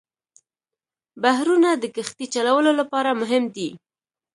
بحرونه د کښتۍ چلولو لپاره مهم دي.